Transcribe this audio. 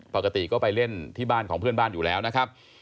ปกติก็ไปเล่นที่บ้านของเพื่อนบ้านอยู่แล้วนะครับ